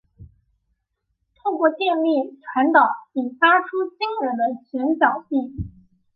透过电力传导引发出惊人的拳脚力。